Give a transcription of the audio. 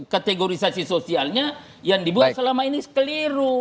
kategorisasi sosialnya yang dibuat selama ini keliru